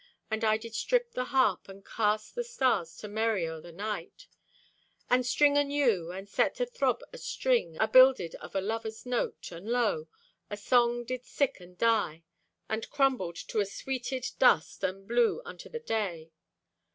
And I did strip the harp and cast The stars to merry o'er the Night; And string anew, and set athrob a string Abuilded of a lover's note, and lo, The song did sick and die, And crumbled to a sweeted dust, And blew unto the day.